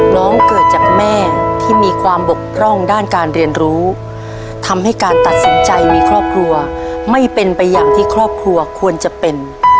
เกิดจากแม่ที่มีความบกพร่องด้านการเรียนรู้ทำให้การตัดสินใจมีครอบครัวไม่เป็นไปอย่างที่ครอบครัวควรจะเป็น